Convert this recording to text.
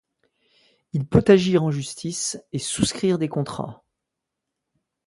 Il peut agir en justice et souscrire des contrats.